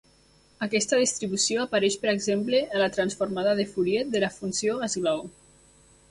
Aquesta distribució apareix per exemple en la transformada de Fourier de la Funció esglaó.